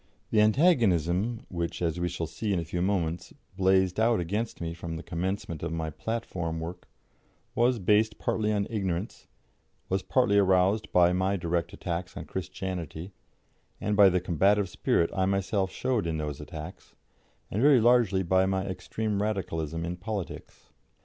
The antagonism which, as we shall see in a few moments, blazed out against me from the commencement of my platform work, was based partly on ignorance, was partly aroused by my direct attacks on Christianity, and by the combative spirit I myself showed in those attacks, and very largely by my extreme Radicalism in politics.